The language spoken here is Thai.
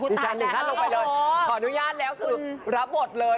อุ๊ยต่างค่ะลงไปเลยขออนุญาตแล้วคือรับบทเลย